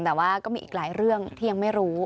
แต่ว่าก็มีอีกหลายเรื่องที่ยังไม่รู้